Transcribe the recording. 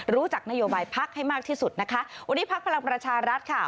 รู้จักนโยบายพักให้มากที่สุดนะคะวันนี้พักพลังประชารัฐค่ะ